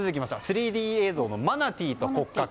３Ｄ映像のマナティーの骨格。